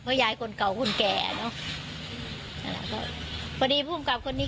เพราะยายคนเก่าคนแก่เนอะพอดีภูมิกรรพคนนี้